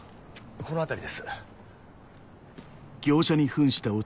この辺りです。